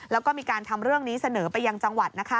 แล้วก็มีการทำเรื่องนี้เสนอไปยังจังหวัดนะคะ